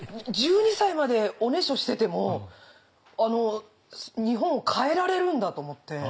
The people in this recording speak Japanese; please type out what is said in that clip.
１２歳までおねしょしてても日本を変えられるんだと思って。